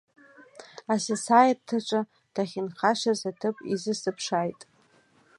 Асасааирҭаҿы дахьынхашаз аҭыԥ изысыԥшааит.